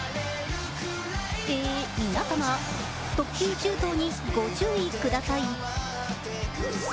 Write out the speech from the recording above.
え皆様、特急・周東にご注意ください。